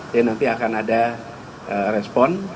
jadi nanti akan ada respon